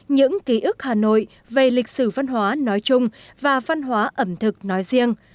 những ký ức hà nội về lịch sử văn hóa nói chung và văn hóa ẩm thực nói riêng